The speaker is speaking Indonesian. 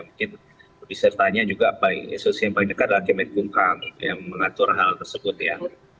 mungkin bisa ditanya juga apa yang paling dekat adalah kementerian kumpul yang mengatur hal tersebut ya